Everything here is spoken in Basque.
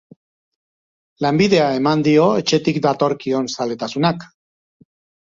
Lanbidea eman dio etxetik datorkion zaletasunak.